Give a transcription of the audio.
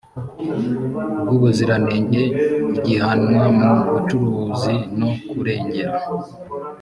bw ubuziranenge ihiganwa mu bucuruzi no kurengera